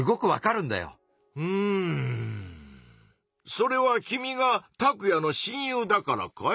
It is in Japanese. それは君がタクヤの「親友」だからかい？